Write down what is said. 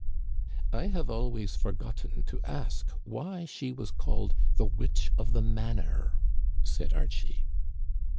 " I have always forgotten to ask why she was called the witch of the manor," said Archie.